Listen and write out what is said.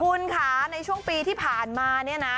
คุณค่ะในช่วงปีที่ผ่านมาเนี่ยนะ